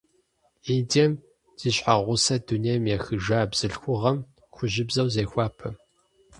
Индием зи щхьэгъусэр дунейм ехыжа бзылъхугъэм хужьыбзэу зехуапэ.